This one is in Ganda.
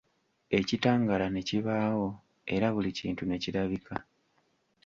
Ekitangala ne kibaawo era buli kintu ne kirabika.